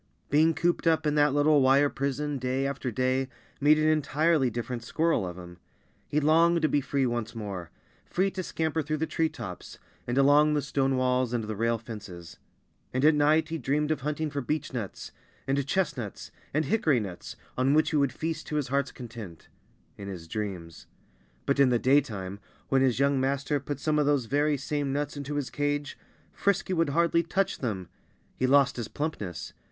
Being cooped up in that little wire prison day after day made an entirely different squirrel of him. He longed to be free once more free to scamper through the tree tops, and along the stone walls and the rail fences. And at night he dreamed of hunting for beechnuts, and chestnuts, and hickorynuts, on which he would feast to his heart's content in his dreams. But in the daytime, when his young master put some of those very same nuts into his cage, Frisky would hardly touch them. He lost his plumpness.